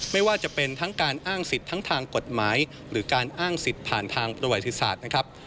ไม่ว่าจะเป็นทั้งการอ้างสิทธิ์ทั้งทางกฎหมายหรือการอ้างสิทธิ์ผ่านทางประวัติศาสตร์นะครับ